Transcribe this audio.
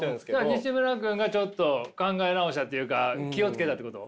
にしむら君がちょっと考え直したっていうか気を付けたってこと？